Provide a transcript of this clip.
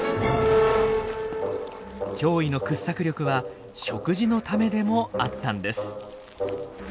驚異の掘削力は食事のためでもあったんです。